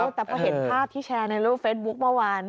แต่พอเห็นภาพที่แชร์ในโลกเฟสบุ๊คเมื่อวาน